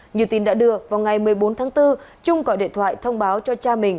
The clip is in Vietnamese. như tin đã đưa vào ngày một mươi bốn tháng bốn trung gọi điện thoại thông báo cho cha mình